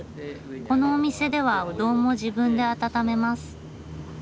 このお店ではうどんも自分で温めます。